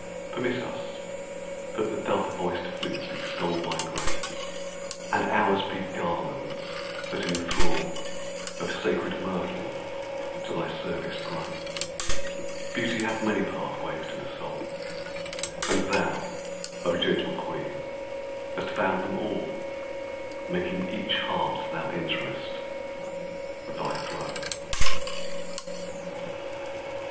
Permit us that the dove voiced flutes extol Thy grace, and ours be garlands that enthrall Of sacred myrtle to thy service grown. Beauty hath many pathways to the soul, And thou, O gentle queen, hast found them all, Making each heart thou enterest thy throne.